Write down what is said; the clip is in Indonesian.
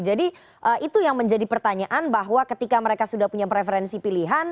jadi itu yang menjadi pertanyaan bahwa ketika mereka sudah punya preferensi pilihan